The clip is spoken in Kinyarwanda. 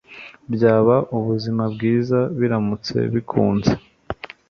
Byaba ubuzimabwiza biramutse bikunze